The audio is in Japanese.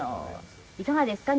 いかがですか？